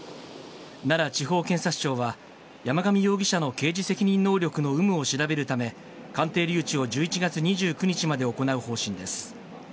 奈良地方検察庁は、山上容疑者の刑事責任能力の有無を調べるため、鑑定留置を１１月２９日まで行う方針です。